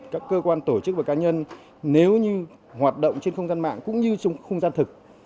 các cơ quan tổ chức và cá nhân nếu như hoạt động trên không gian mạng cũng như không gian thực